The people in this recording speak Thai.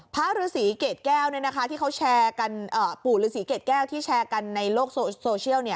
พระฤษีเกดแก้วเนี้ยนะคะที่เขาแชร์กันเอ่อปู่ฤษีเกดแก้วที่แชร์กันในโลกโซเชียลเนี้ย